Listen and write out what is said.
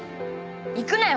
行くなよ。